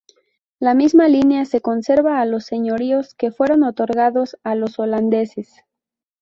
La misma línea se conserva a los señoríos que fueron otorgados a los holandeses.